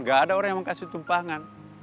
gak ada orang yang mau kasih tumpangan